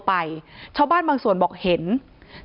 ที่มีข่าวเรื่องน้องหายตัว